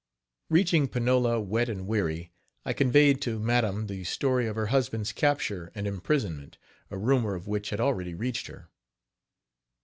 Reaching Panola, wet and weary, I conveyed to madam the story of her husband's capture and imprisonment, a rumor of which had already reached her.